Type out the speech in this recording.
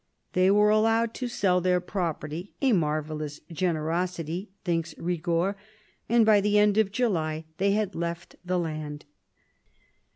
They were allowed to sell their property — a marvellous generosity, thinks Eigord ; and by the end of July they had left the land.